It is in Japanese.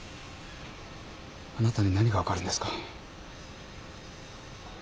あなたに何が分かるんですか？